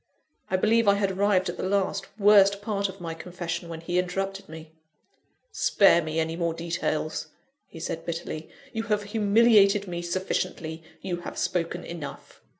I believe I had arrived at the last, worst part of my confession, when he interrupted me. "Spare me any more details," he said, bitterly, "you have humiliated me sufficiently you have spoken enough."